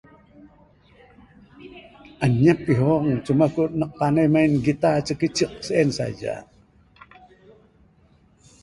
Anyap ihong cuma ku nak panai main guitar icek icek sien saja.